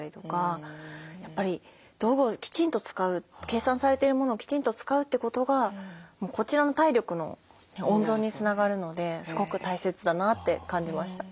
計算されてるものをきちんと使うってことがこちらの体力の温存につながるのですごく大切だなって感じました。